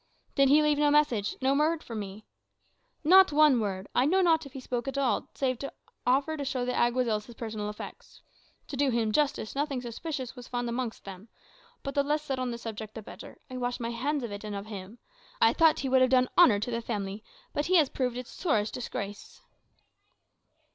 "Did he leave no message no word for me?" "Not one word. I know not if he spoke at all, save to offer to show the Alguazils his personal effects. To do him justice, nothing suspicious was found amongst them. But the less said on the subject the better. I wash my hands of it, and of him. I thought he would have done honour to the family; but he has proved its sorest disgrace."